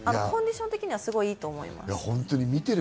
コンディション的にはすごくいいと思います。